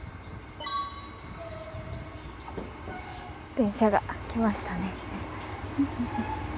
電車が来ましたね。